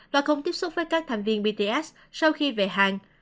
và không tiếp xúc với các thành viên bts sau khi về hàng